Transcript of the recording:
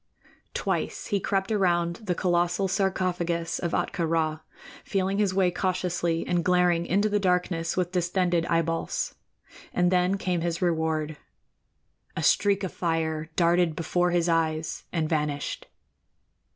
Twice he crept around the colossal sarcophagus of Ahtka Rā, feeling his way cautiously and glaring into the darkness with distended eyeballs; and then came his reward. A streak of fire darted before his eyes and vanished.